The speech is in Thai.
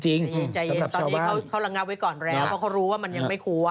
ใจเย็นตอนนี้เขาระงับไว้ก่อนแล้วเพราะเขารู้ว่ามันยังไม่ควร